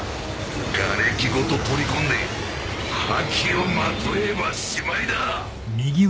がれきごと取り込んで覇気をまとえばしまいだ！